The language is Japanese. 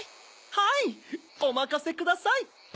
はいおまかせください。